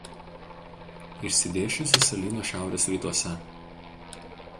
Išsidėsčiusi salyno šiaurės rytuose.